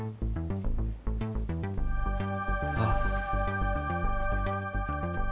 ああ。